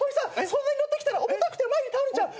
そんなに乗ってきたら重たくて前に倒れちゃう。